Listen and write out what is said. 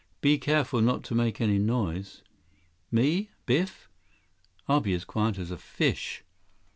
Be careful not to make any noise." "Me, Biff? I'll be as quiet as a fish."